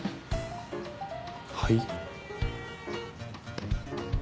はい？